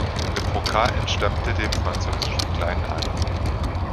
De Broca entstammte dem französischen Kleinadel.